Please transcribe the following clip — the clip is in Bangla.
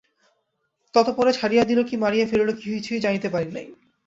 তৎপরে ছাড়িয়া দিল কি মারিয়া ফেলিল কিছুই জানিতে পারি নাই।